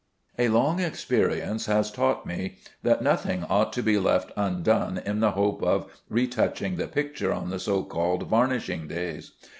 A long experience has taught me that nothing ought to be left undone in the hope of retouching the picture on the so called varnishing days.